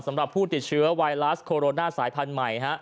สำหรับผู้ติดเชื้อไวรัสโคโรนาสายพันธุ์ใหม่